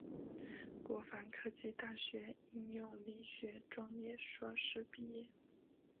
国防科技大学应用力学专业硕士毕业。